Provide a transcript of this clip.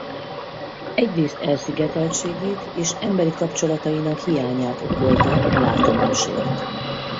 Egyrészt elszigeteltségét és emberi kapcsolatainak hiányát okolta a látomásért.